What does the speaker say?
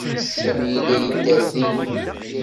Sami yella yedder din.